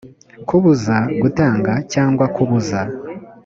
kubuza gutangaza cyangwa kubuza